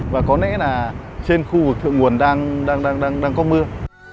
và có lẽ là trên khu vực thượng nguồn đang có mưa